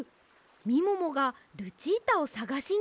みももがルチータをさがしにいったんです！